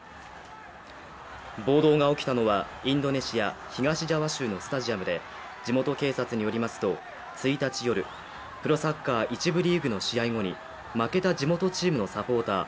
暴動が起きたのはインドネシア東ジャワ州のスタジアムで地元警察によりますと１日夜、プロサッカー１部リーグの試合後に、負けた地元チームのサポーター